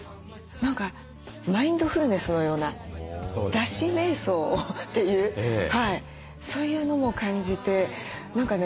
何かマインドフルネスのような「だしめい想」というそういうのも感じて何かね